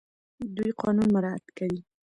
دوی قانون مراعات کوي.